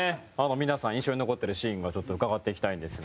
皆さん印象に残ってるシーンをちょっと伺っていきたいんですが。